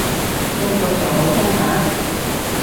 工作上好充實？